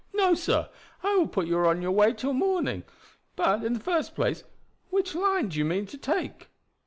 No, sir; I will put you on your way till morning. But, in the first place, which line do you mean to take?"